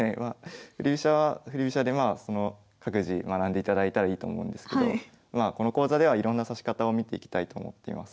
振り飛車は振り飛車で各自学んでいただいたらいいと思うんですけどこの講座ではいろんな指し方を見ていきたいと思っていますので。